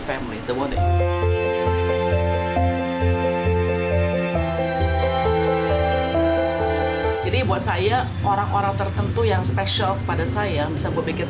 family the one that jadi buat saya orang orang tertentu yang spesial pada saya bisa membuat